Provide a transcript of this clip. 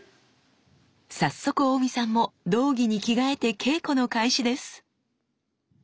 早速大見さんも道着に着替えて稽古の開始です。